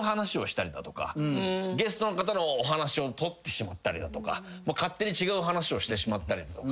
ゲストの方のお話を取ってしまったりだとか勝手に違う話をしてしまったりだとか。